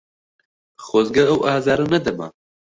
خۆزگە ئەو ئازارە نەدەما.